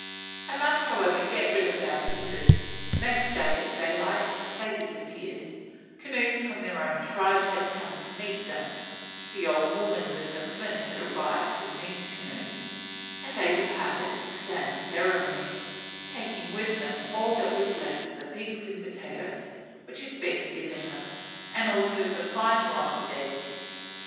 I must, however, get rid of our visitors. Next day, at daylight, they disappeared: canoes from their own tribe had come to meet them (the old woman with the flint had arrived in these canoes), and they departed sans ceremonie, taking with them all that was left of the pigs and potatoes which had been given them, and also the "fine lot of eds."